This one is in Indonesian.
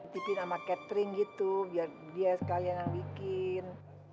ditipin sama catherine gitu biar dia sekalian yang bikin